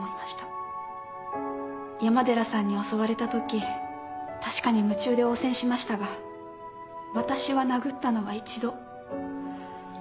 山寺さんに襲われたとき確かに夢中で応戦しましたが私は殴ったのは１度。